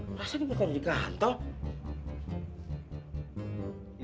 ngerasa ini bukan nikahan tau